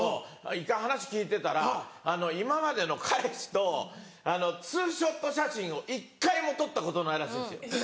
一回話聞いてたら今までの彼氏とツーショット写真を一回も撮ったことないらしいんですよ。